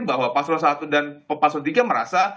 bahwa paswan satu dan paswan tiga merasa